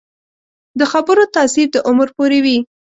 د خبرو تاثیر د عمر پورې وي